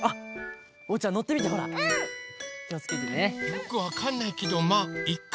よくわかんないけどまあいっか。